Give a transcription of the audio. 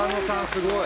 すごい。